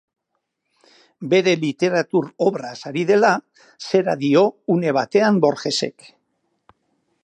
Bere literatur obraz ari dela, zera dio une batean Borgesek.